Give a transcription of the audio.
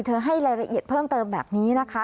ให้รายละเอียดเพิ่มเติมแบบนี้นะคะ